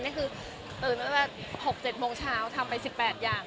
ตื่นมา๖๗โมงเช้าทำไป๑๘อย่าง